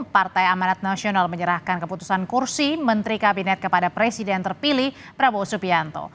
partai amanat nasional menyerahkan keputusan kursi menteri kabinet kepada presiden terpilih prabowo subianto